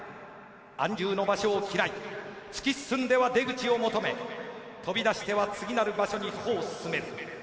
安住の場所を嫌い突き進んでは出口を求め飛び出しては次なる場所に歩を進める。